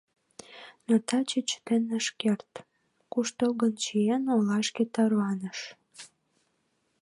Но таче чытен ыш керт, куштылгын чиен, олашке тарваныш.